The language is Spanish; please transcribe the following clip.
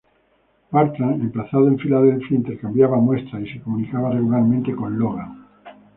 Bartram, emplazado en Filadelfia, intercambiaba muestras y se comunicaba regularmente con Logan.